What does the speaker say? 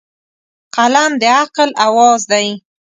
قلم د عقل اواز دی